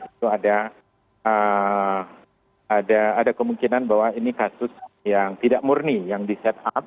itu ada kemungkinan bahwa ini kasus yang tidak murni yang di set up